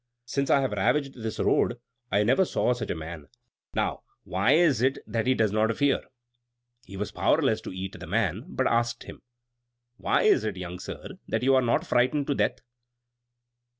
Since I have ravaged this road, I never saw such a man. Now, why is it that he does not fear?" He was powerless to eat the man, but asked him: "Why is it, young sir, that you are not frightened to death?"